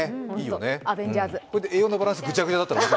栄養のバランスぐちゃぐちゃだったらね。